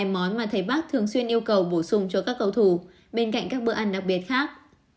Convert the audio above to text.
hai món mà thầy bác thường xuyên yêu cầu bổ sung cho các cầu thủ bên cạnh các bữa ăn đặc biệt khác